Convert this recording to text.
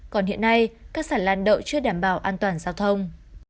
còn hiện nay các sản lan đậu chưa đảm bảo an toàn giao thông